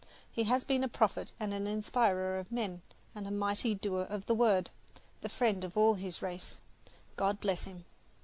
He has been a prophet and an inspirer of men, and a mighty doer of the Word, the friend of all his race God bless him!